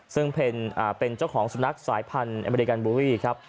ซึ่งเป็นเจ้าของสุนัขสายพันธุ์อเมริกันบูรีครับ